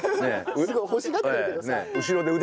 すごい欲しがってるけどさ。